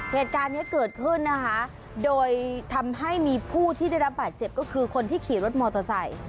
เหตุการณ์นี้เกิดขึ้นนะคะโดยทำให้มีผู้ที่ได้รับบาดเจ็บก็คือคนที่ขี่รถมอเตอร์ไซค์